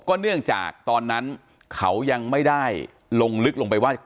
เนื่องจากตอนนั้นเขายังไม่ได้ลงลึกลงไปว่า